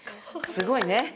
すごいね！